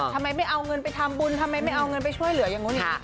ทำไมไม่เอาเงินไปทำบุญทำไมไม่เอาเงินไปช่วยเหลืออย่างนู้นอย่างนี้